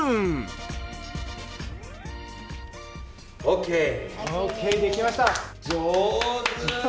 ＯＫ！ＯＫ．できました。